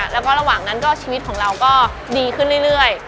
แล้วก็ระหว่างนั้นก็ชีวิตของเราก็ดีขึ้นเรื่อย